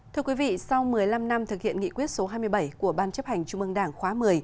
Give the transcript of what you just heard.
thưa quý vị sau một mươi năm năm thực hiện nghị quyết số hai mươi bảy của ban chấp hành trung ương đảng khóa một mươi